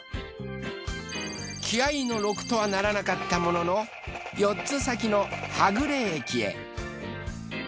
気合いの６とはならなかったものの４つ先の波久礼駅へ。